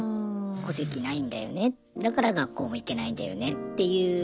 戸籍ないんだよねだから学校も行けないんだよねっていう。